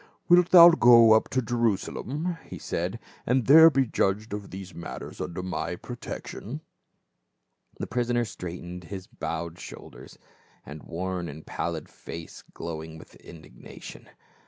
"Wilt thou go up to Jerusalem," he said, " and there be judged of these matters under my pro tection ?" The prisoner straightened his bowed shoulders, his worn and pallid face glowing with indignation.